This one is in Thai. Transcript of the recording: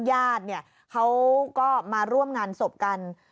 ญาติเนี่ยเขาก็มาร่วมงานศพกัน